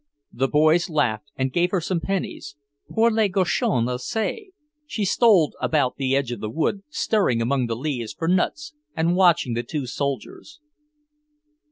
The boys laughed and gave her some pennies, "pour les cochons aussi." She stole about the edge of the wood, stirring among the leaves for nuts, and watching the two soldiers.